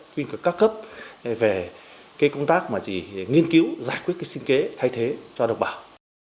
chuyên cơ các cấp về cái công tác mà chỉ nghiên cứu giải quyết cái sinh kế thay thế cho độc bảo